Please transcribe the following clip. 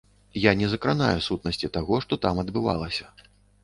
Я не закранаю сутнасці таго, што там адбывалася.